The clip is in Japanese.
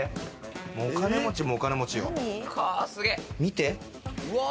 お金持ちもお金持ちよ、見て。